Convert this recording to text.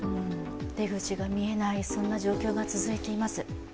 出口が見えない、そんな状況が続いています。